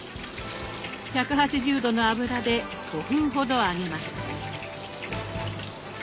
１８０度の油で５分ほど揚げます。